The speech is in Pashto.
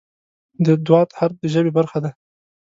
د "ض" حرف د ژبې برخه ده.